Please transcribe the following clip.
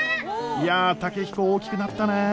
いや健彦大きくなったね。